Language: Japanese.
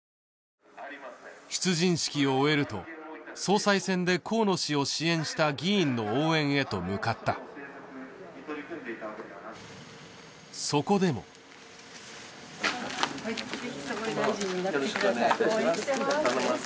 出陣式を終えると総裁選で河野氏を支援した議員の応援へと向かったそこでもよろしくお願いいたします